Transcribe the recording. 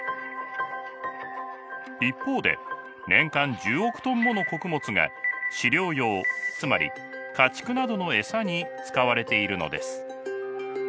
一方で年間１０億トンもの穀物が飼料用つまり家畜などの餌に使われているのです。